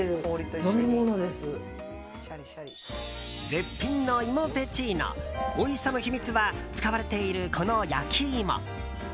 絶品の芋ぺちーのおいしさの秘密は使われている、この焼き芋。